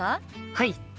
はい。